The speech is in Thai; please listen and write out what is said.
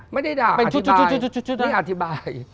ไม่ได้อธิบาย